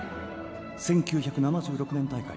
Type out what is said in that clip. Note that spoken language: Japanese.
１９７６年大会